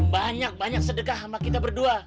banyak banyak sedekah sama kita berdua